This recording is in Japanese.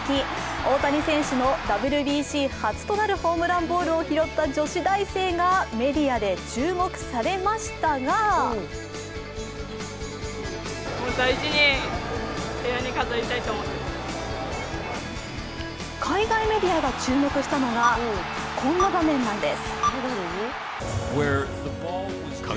大谷選手のＷＢＣ初となるホームランボールを拾った女子大生がメディアで注目されましたが海外メディアが注目したのがこんな場面なんです。